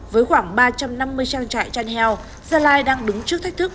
với khoảng ba trăm năm mươi trang trại chăn heo gia lai đang đứng trước thách thức